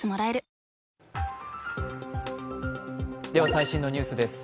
最新のニュースです。